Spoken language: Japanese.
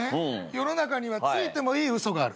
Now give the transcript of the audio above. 世の中にはついてもいい嘘がある。